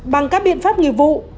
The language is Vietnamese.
bằng các biện pháp nghi vụ